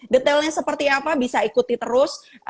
detailnya seperti apa bisa ikuti terus